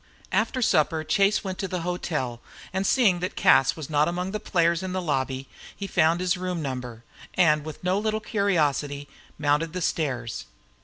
After supper Chase went to the hotel, and seeing that Cas was not among the players in the lobby, he found his room number, and with no little curiosity mounted the stairs.